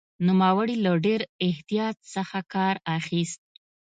نوموړي له ډېر احتیاط څخه کار اخیست.